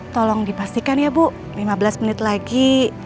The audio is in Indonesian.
tolong dipastikan ya bu lima belas menit lagi